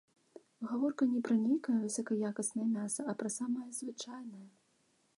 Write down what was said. Гаворка не пра нейкае высакаякаснае мяса, а пра самае звычайнае.